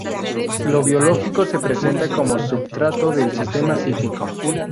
Lo biológico se presenta como substrato del sistema psíquico.